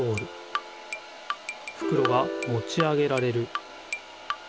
ふくろがもち上げられる。